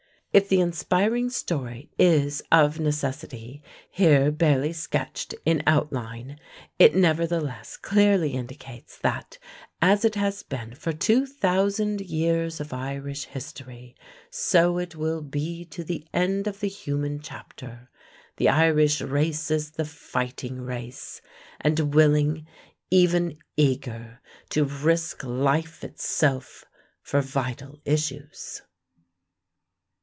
If the inspiring story is of necessity here barely sketched in outline, it nevertheless clearly indicates that, as it has been for two thousand years of Irish history, so it will be to the end of the human chapter the Irish race is the Fighting Race, and willing, even eager, to risk life itself for vital issues.